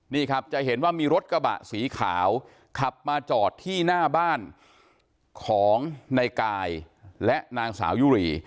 นี่ครับจะเห็นว่ามีรถกระบะสีขาวขับมาจอดที่หน้าบ้านของนายกายและนางสาวยุรี